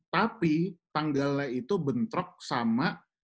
tapi tanggalnya itu bentrok sama